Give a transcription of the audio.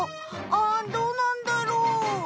あんどうなんだろう？